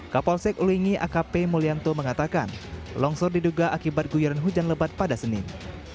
kapolsek uini akp mulyanto mengatakan longsor diduga akibat guyuran hujan lebat pada senin